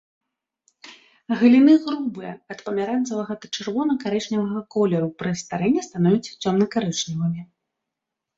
Галіны грубыя, ад памяранцавага да чырвона-карычневага колеру, пры старэнні становяцца цёмна-карычневымі.